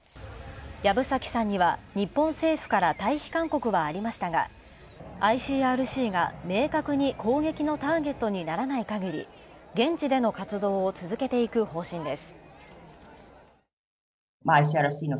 藪崎さんには日本政府から退避勧告はありましたが、ＩＣＲＣが明確に攻撃のターゲットにならないかぎり、現地での活動を続けていく方針です。